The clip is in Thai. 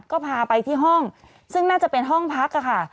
ก็พาไปที่ห้องซึ่งน่าจะเป็นห้องพักค่ะ